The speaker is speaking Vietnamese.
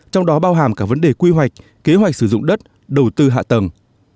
trong đó bao hàm cả vấn đề quy hoạch kế hoạch sử dụng đất đầu tư hạ tầng